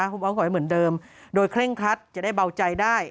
คุณออฟขอให้เหมือนเดิมโดยเคร่งครัดจะได้เบาใจได้